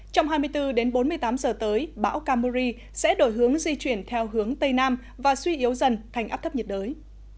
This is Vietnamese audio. trong hai mươi bốn đến bốn mươi tám giờ tới bão camuri sẽ đổi hướng di chuyển theo hướng tây nam và suy yếu dần thành áp thấp nhiệt đới